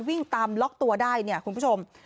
วิ่งตามล็อกตัวได้เนี่ยคุณผู้ชม